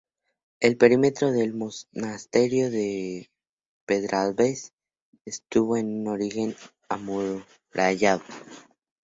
El perímetro del monasterio de Pedralbes estuvo en un origen amurallado.